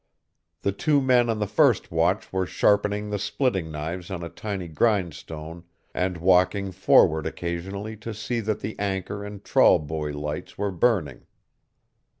The two men on the first watch were sharpening the splitting knives on a tiny grindstone and walking forward occasionally to see that the anchor and trawl buoy lights were burning.